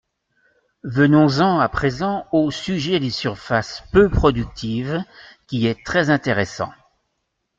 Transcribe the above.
Venons-en à présent au sujet des surfaces peu productives, qui est très intéressant.